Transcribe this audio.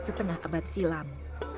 yang melain bajo